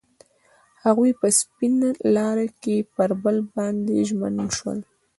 هغوی په سپین لاره کې پر بل باندې ژمن شول.